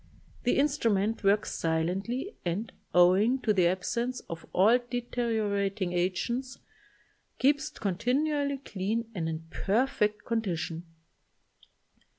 The instrument works silently and, owing to the absence of all deteriorating agents, keeps continually clean and in perfect con dition.